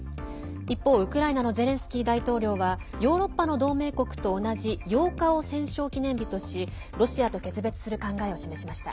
一方、ウクライナのゼレンスキー大統領はヨーロッパの同盟国と同じ８日を戦勝記念日としロシアと決別する考えを示しました。